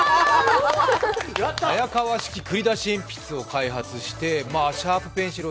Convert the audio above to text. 早川式操出鉛筆を開発してシャープペンシル。